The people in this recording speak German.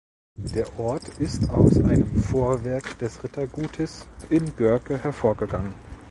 Der Ort ist aus einem Vorwerk des Rittergutes in Görke hervorgegangen.